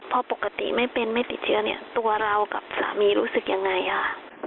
พอปกติไม่เป็นไม่ติดเชื้อเนี่ยตัวเรากับสามีรู้สึกยังไงค่ะ